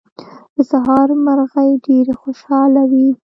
د سهار مرغۍ ډېرې خوشاله وې.